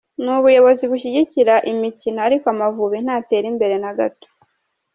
N'ubuyobozi bushyigikira imikino ariko Amavubi ntara imbere na gato.